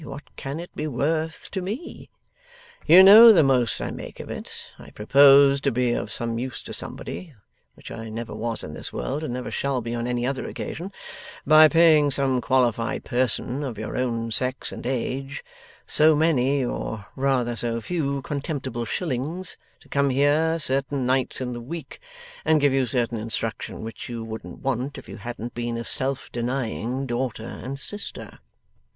What can it be worth to me? You know the most I make of it. I propose to be of some use to somebody which I never was in this world, and never shall be on any other occasion by paying some qualified person of your own sex and age, so many (or rather so few) contemptible shillings, to come here, certain nights in the week, and give you certain instruction which you wouldn't want if you hadn't been a self denying daughter and sister.